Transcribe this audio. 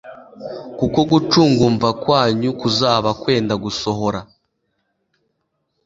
kuko gucungumva kwanyu kuzaba kwenda gusohora."